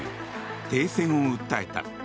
停戦を訴えた。